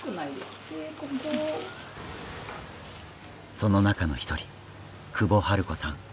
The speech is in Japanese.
その中の一人久保晴子さん。